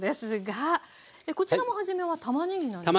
こちらも初めはたまねぎなんですね。